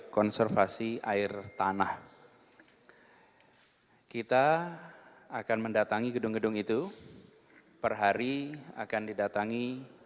konservasi air tanah kita akan mendatangi gedung gedung itu perhari akan didatangi